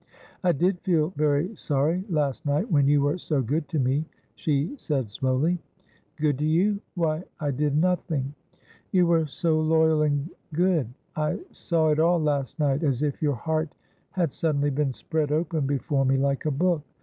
' I did feel very sorry, last night, when you were so good to me,' she said slowly. ' Good to you ! Why, I did nothing !'' You are so loyal and good. I saw it all last night, as if your heart had suddenly been spread open before me like a book.